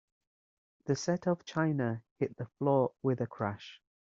The set of china hit the floor with a crash.